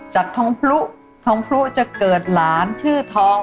จากทองพลุทองพลุจะเกิดหลานชื่อทอง